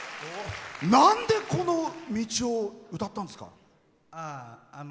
なんでこの「道」を歌ったんですか？